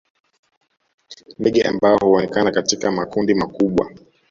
Ndege ambao huonekana katika makundi makubwa